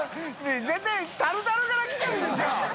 絶対タルタルからきてるでしょ！